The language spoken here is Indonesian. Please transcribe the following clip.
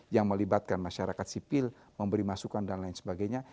yang melibatkan masyarakat sipil memberi masukan dan lain sebagainya